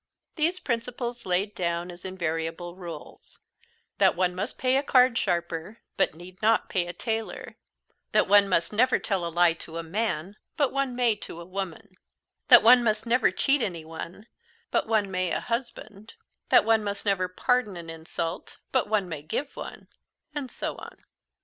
These principles laid down as invariable rules: that one must pay a cardsharper, but need not pay a tailor; that one must never tell a lie to a man, but one may to a woman; that one must never cheat anyone, but one may a husband; that one must never pardon an insult, but one may give one and so on.